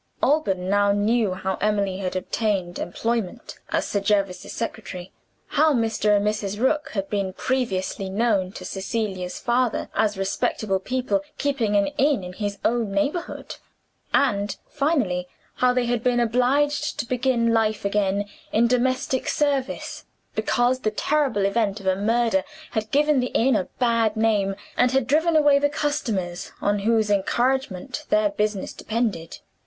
Alban now knew how Emily had obtained employment as Sir Jervis's secretary; how Mr. and Mrs. Rook had been previously known to Cecilia's father as respectable people keeping an inn in his own neighborhood; and, finally, how they had been obliged to begin life again in domestic service, because the terrible event of a murder had given the inn a bad name, and had driven away the customers on whose encouragement their business depended.